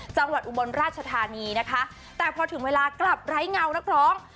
อุบลราชธานีนะคะแต่พอถึงเวลากลับไร้เงานักร้อง